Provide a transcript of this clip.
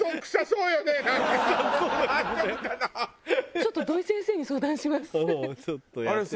ちょっと土井先生に相談します。